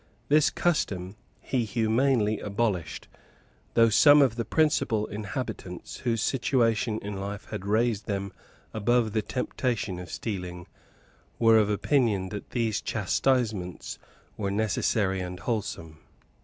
This custom he humanely abolished, though some of the principal inhabitants, whose situation in life had raised them above the temptation of stealing, were of opinion that these chastisements were necessary and wholesome.